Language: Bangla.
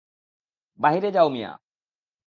বাহিরে যাও মিয়া।